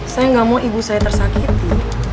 saya nggak mau ibu saya tersakiti